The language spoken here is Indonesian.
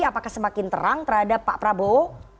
apakah semakin terang terhadap pak prabowo